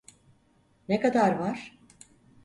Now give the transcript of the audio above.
Ne kadar var?